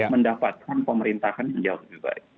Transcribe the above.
mendapatkan pemerintahan yang jauh lebih baik